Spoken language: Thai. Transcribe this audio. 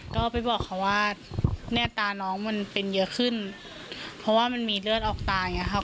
ก็ไปบอกเขาว่าแน่ตาน้องมันเป็นเยอะขึ้นเพราะว่ามันมีเลือดออกตาอย่างเงี้ครับ